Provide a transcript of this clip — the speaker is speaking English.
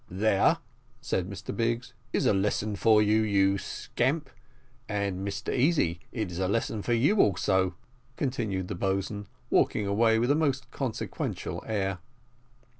"There," said Mr Biggs, "is a lesson for you, you scamp and, Mr Easy, it is a lesson for you also," continued the boatswain, walking away with a most consequential air.